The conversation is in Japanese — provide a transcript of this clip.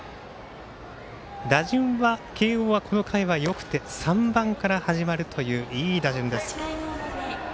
打順は慶応はこの回はよくて３番から始まるといういい打順です。